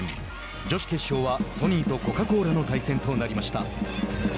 女子決勝はソニーとコカ・コーラの対戦となりました。